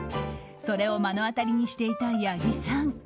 それを目の当たりにしていた八木さん。